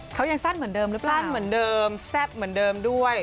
เขายังสั้นเหมือนเดิมหรือเปล่าสั้นเหมือนเดิมแซ่บเหมือนเดิมด้วย